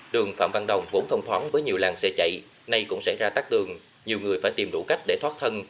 đường phạm văn đồng vốn thông thoáng với nhiều làng xe chạy nay cũng xảy ra tắc tường nhiều người phải tìm đủ cách để thoát thân